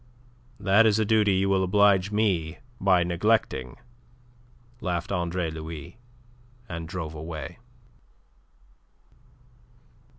"That is a duty you will oblige me by neglecting," laughed Andre Louis, and drove away.